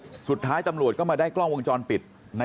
ลูกสาวหลายครั้งแล้วว่าไม่ได้คุยกับแจ๊บเลยลองฟังนะคะ